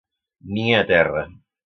Nia a terra.